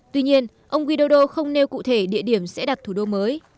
tuy nhiên ông widodo không nêu cụ thể địa điểm sẽ đặt thủ đô mới